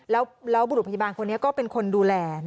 แล้วบุรุษพยาบาลคนนี้ก็เป็นคนดูแล